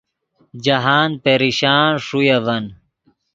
جاہند پریشان ݰوئے اڤن